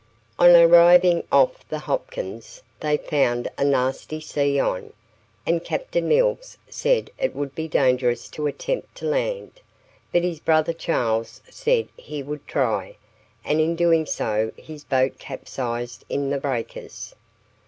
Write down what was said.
On arriving off the Hopkins, they found a nasty sea on, and Captain Mills said it would be dangerous to attempt to land; but his brother Charles said he would try, and in doing so his boat capsized in the breakers.